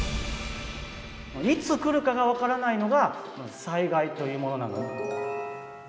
いつ来るかが分からないのが災害というものなの。